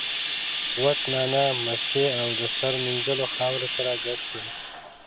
وچه نعناع، مستې او د سر مینځلو خاوره سره ګډ کړئ.